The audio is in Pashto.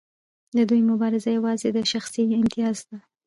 د دوی مبارزه یوازې د شخصي امتیاز ده.